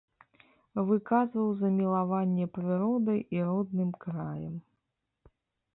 Выказваў замілаванне прыродай і родным краем.